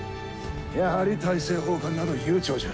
やはり大政奉還など悠長じゃ。